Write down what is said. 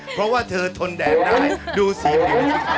เพราะว่าเธอทนแดดได้ดูสีผิว